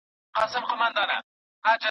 موږ به نوي اقتصادي پلانونه جوړ کړو.